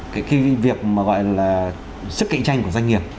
cái việc mà gọi là sức cạnh tranh của doanh nghiệp